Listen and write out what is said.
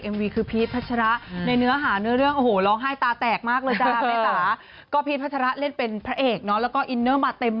มาทั้งนั้นเลยนี้ล่าสุดนะคะไปเห็นเอ็มวีของพี่แสม